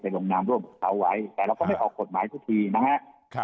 ลงนามร่วมกับเขาไว้แต่เราก็ไม่ออกกฎหมายทุกทีนะครับ